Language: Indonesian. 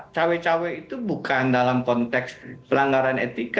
tawe tawe itu bukan dalam konteks pelanggaran etika